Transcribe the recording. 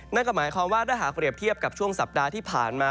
นั่นก็หมายความว่าถ้าหากเปรียบเทียบกับช่วงสัปดาห์ที่ผ่านมา